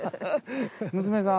娘さん？